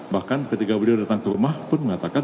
bahkan ketika beliau datang ke rumah pun mengatakan